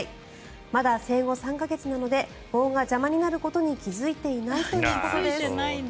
まだ生後３か月なので棒が邪魔になることに気付いていないということです。